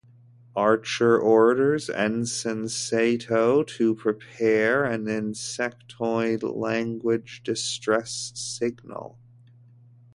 Archer orders Ensign Sato to prepare an Insectoid-language distress signal.